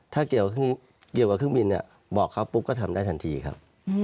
ถ้าเกี่ยวกับเครื่องบินบอกเขาปุ๊บก็ทำได้ทันทีครับ